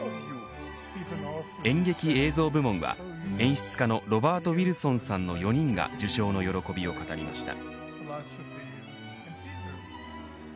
演劇・映像部門は演出家のロバート・ウィルソンさんの４人が受賞の喜びを語りました。